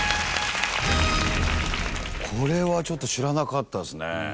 これはちょっと知らなかったですね。